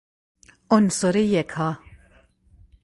عنصر یکا